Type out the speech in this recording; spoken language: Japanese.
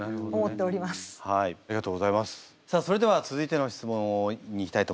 さあそれでは続いての質問にいきたいと思います。